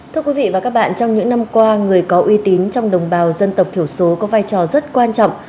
thưa quý vị và các bạn trong những năm qua người có uy tín trong đồng bào dân tộc thiểu số có vai trò rất quan trọng